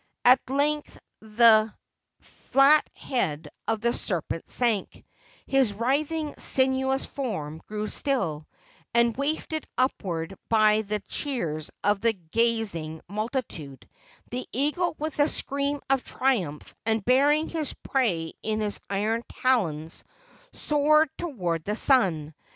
At length the flat head of the serpent sank; his writhing sinuous form grew still; and, wafted upward by the cheers of the gazing multitude, the eagle, with a scream of triumph, and bearing his prey in his iron talons, soared toward the sun.